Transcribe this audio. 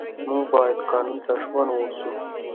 موږ باید قانون ته ژمن واوسو